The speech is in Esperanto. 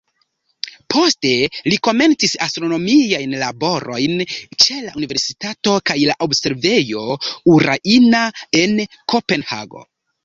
Poste li komencis astronomiajn laborojn ĉe la universitato kaj la observejo "Urania" en Kopenhago.